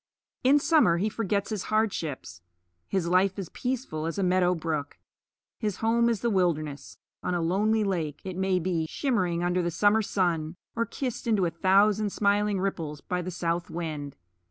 In summer he forgets his hardships. His life is peaceful as a meadow brook. His home is the wilderness on a lonely lake, it may be, shimmering under the summer sun, or kissed into a thousand smiling ripples by the south wind.